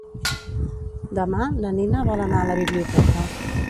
Demà na Nina vol anar a la biblioteca.